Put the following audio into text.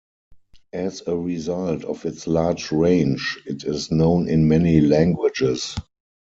As a result of its large range, it is known in many languages.